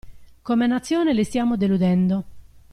Come nazione li stiamo deludendo.